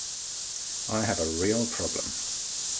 I have a real problem.